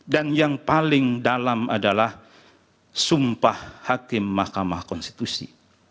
dan yang paling dalam adalah sumpah hakim mahkamah konstitusi